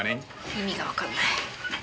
意味がわかんない。